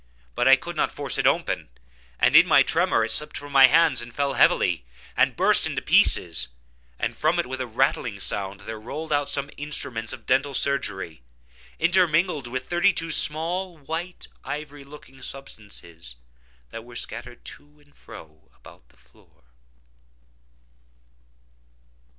But I could not force it open; and in my tremor, it slipped from my hands, and fell heavily, and burst into pieces; and from it, with a rattling sound, there rolled out some instruments of dental surgery, intermingled with thirty two small, white and ivory looking substances that were scattered to and fro about the floor.